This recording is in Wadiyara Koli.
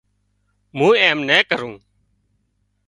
مون ايم نين ڪرون